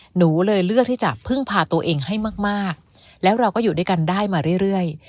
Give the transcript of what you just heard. หนูเลยเลือกที่จะพึ่งพาตัวเองให้มากแล้วเราก็อยู่ด้วยกันได้มาเรื่อย